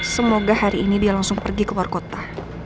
semoga hari ini dia langsung pergi ke luar kota